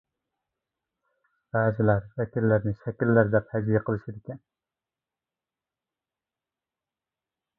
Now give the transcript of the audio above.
بەزىلەر ۋەكىللەرنى «شەكىللەر» دەپ ھەجۋىي قىلىشىدىكەن.